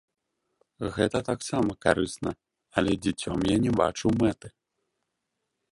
Гэта таксама карысна, але дзіцём я не бачыў мэты.